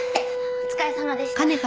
お疲れさまでした。